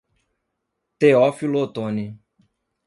Teófilo Otoni